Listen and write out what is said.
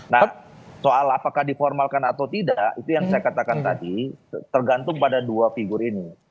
nah soal apakah diformalkan atau tidak itu yang saya katakan tadi tergantung pada dua figur ini